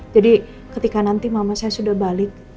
jadi ketika nanti mama saya sudah balik